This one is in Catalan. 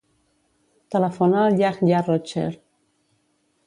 Telefona al Yahya Rocher.